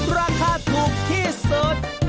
ราคาถูกที่สุด